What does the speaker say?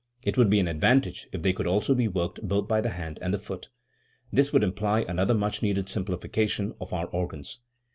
It would be an advantage if they also could be worked both by the hand and the foot. This would imply another much needed simplification of our organs*.